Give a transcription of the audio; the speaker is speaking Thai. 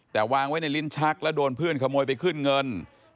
แต่วางไว้ในลิ้นชักแล้วโดนเพื่อนขโมยไปขึ้นเงิน